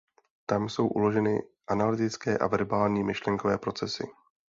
Tam jsou uloženy analytické a verbální myšlenkové procesy.